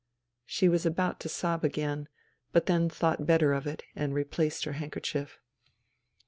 ..." She was about to sob again, but then thought better of it and replaced her handkerchief.